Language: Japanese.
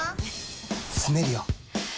住めるよ。